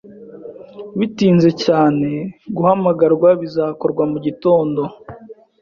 bitinze cyane, guhamagarwa bizakorwa mugitondo,